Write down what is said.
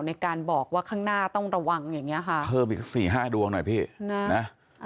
ในการบอกว่าข้างหน้าต้องระวังอย่างเงี้ค่ะเพิ่มอีกสี่ห้าดวงหน่อยพี่นะ